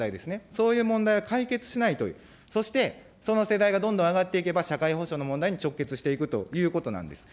そういう問題を解決しないと、そしてその世代がどんどん上がっていけば、社会保障の問題に直結していくということなんです。